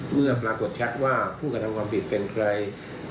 เมื่อปรากฏชัดว่าผู้กระทำความผิดเป็นใคร